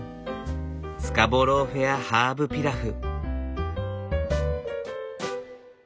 スカボロー・フェアハーブピラフ。